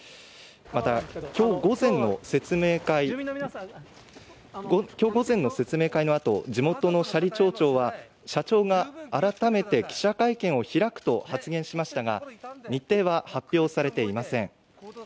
また、今日午前の説明会のあと地元の斜里町長は、社長が改めて記者会見を開くと発言しましたが、日程は発表されていません。